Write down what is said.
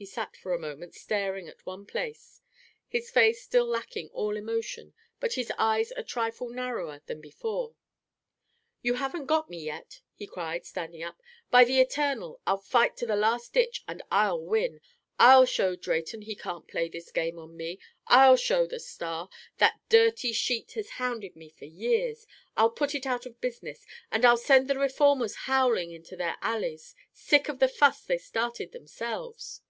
He sat for a moment staring at one place, his face still lacking all emotion, but his eyes a trifle narrower than before. "You haven't got me yet," he cried, standing up. "By the eternal, I'll fight to the last ditch, and I'll win. I'll show Drayton he can't play this game on me. I'll show the Star. That dirty sheet has hounded me for years. I'll put it out of business. And I'll send the reformers howling into the alleys, sick of the fuss they started themselves."